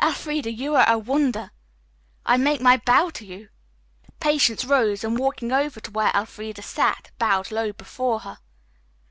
"Elfreda, you are a wonder! I make my bow to you." Patience rose and, walking over to where Elfreda sat, bowed low before her.